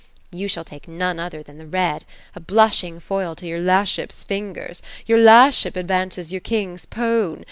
You shall take none other than the red. — a blushing foil to your la'ship's fingers. Your la'ship advances your king's pone?